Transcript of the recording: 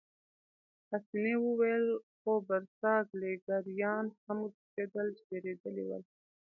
پاسیني وویل: خو برساګلیریایان هم وتښتېدل، چې بېرېدلي ول.